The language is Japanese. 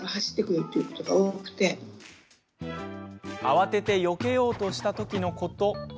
慌ててよけようとした時のこと。